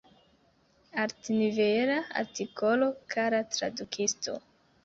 Altnivela artikolo, kara tradukisto.